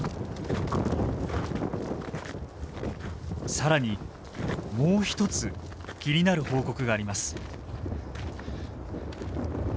更にもう一つ気になる報告があります。